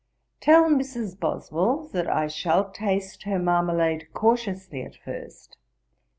'Tell Mrs. Boswell that I shall taste her marmalade cautiously at first.